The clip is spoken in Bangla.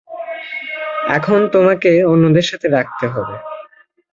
এখন তোমাকে অন্যদের সাথে রাখতে হবে।